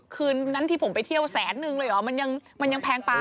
คืนนั้นที่ผมไปเที่ยวแสนนึงเลยเหรอมันยังแพงไป